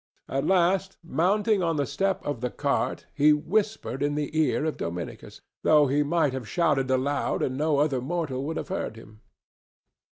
At last, mounting on the step of the cart, he whispered in the ear of Dominicus, though he might have shouted aloud and no other mortal would have heard him.